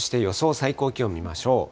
最高気温見ましょう。